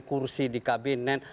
kursi di kabinet